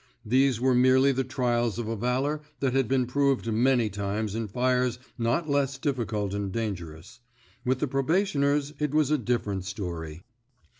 These were merely the trials of a valor that had been proved many times in fires not less diflScult and dangerous. With the proba tioners it was a different story.